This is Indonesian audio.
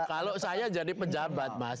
kalau saya jadi pejabat mas